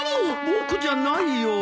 僕じゃないよ。